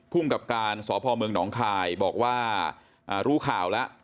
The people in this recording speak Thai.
ภูมิกับการสพเมืองหนองคายบอกว่ารู้ข่าวแล้ว